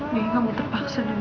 ya kamu terpaksa dong